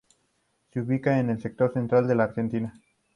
Se ubica en el sector central de la Argentina.